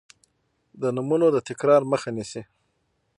د نومونو د تکرار مخه نیسي.